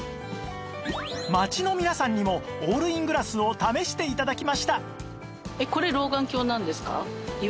街の皆さんにもオールイングラスを試して頂きました